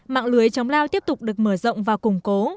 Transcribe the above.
mạng lưới chống lao tiếp tục được mở rộng và củng cố